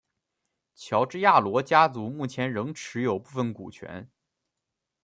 乔治亚罗家族目前仍持有部份股权。